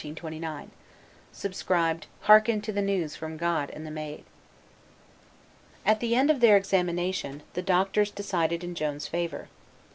Subscribed: "Hearken to the news from God and the Maid." At the end of their examination, the doctors decided in Joan's favor.